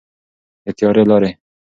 د تیارې لارې.